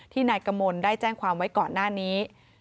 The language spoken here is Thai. นายกมลได้แจ้งความไว้ก่อนหน้านี้